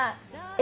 え。